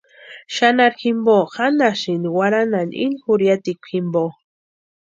Xanharhu jimpo janhasïnti warhanhani ini juriatikwa jimpo.